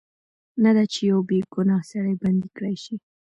نه دا چې یو بې ګناه سړی بندي کړای شي.